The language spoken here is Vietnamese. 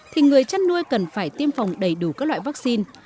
thì người chăn nuôi cần phải tiêm phòng đầy đủ các loại vaccine